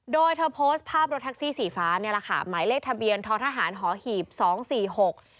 โดยเธอโพสต์ภาพรถแท็กซี่สีฟ้าเนี่ยแหละค่ะหมายเลขทะเบียนท้อทหารหอหีบสองสี่หก